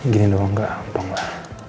gini doang gak ampung lah